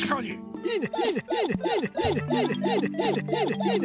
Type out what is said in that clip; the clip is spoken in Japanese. いいね！